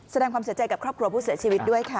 แสดงความเสียใจกับครอบครัวผู้เสียชีวิตด้วยค่ะ